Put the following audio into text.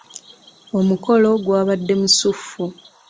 Omukolo gwabadde musuffu.